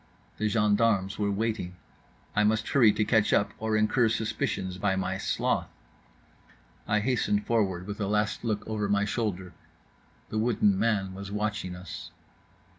The gendarmes were waiting. I must hurry to catch up or incur suspicions by my sloth. I hastened forward, with a last look over my shoulder … the wooden man was watching us.